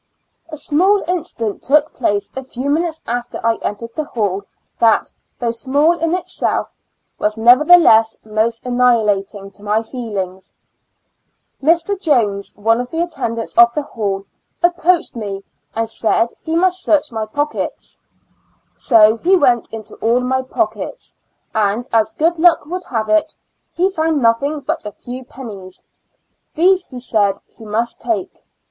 A small incident took place a few minutes after I entered the hall, that, though small in itself, was nevertheless most annihilating to my feelings. Mr. Jones, one of the attendants of the hall, approached me and IN A L JJNATIC ASYL UM. 4 3 said he must search my pockets. So he went into all my pockets, and as good luck would have it, he found nothing but a few pennies ; these he said he must take.